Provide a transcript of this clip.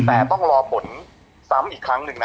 แต่ต้องรอผลซ้ำอีกครั้งหนึ่งนะ